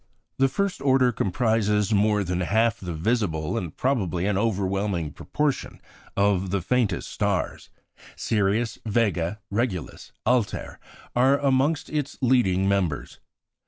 The first order comprises more than half the visible and probably an overwhelming proportion of the faintest stars. Sirius, Vega, Regulus, Altair, are amongst its leading members.